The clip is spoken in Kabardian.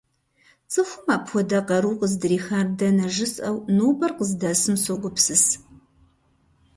ЦӀыхум апхуэдэ къару къыздрихар дэнэ жысӀэу, нобэр къыздэсым согупсыс.